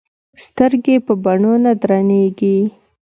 سترګې په بڼو نه درنې ايږي